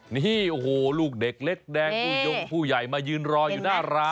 นี่โอ้โหลูกเด็กเล็กแดงผู้ยงผู้ใหญ่มายืนรออยู่หน้าร้าน